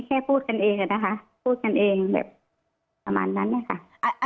แค่พูดกันเองอะนะคะพูดกันเองแบบประมาณนั้นนะคะ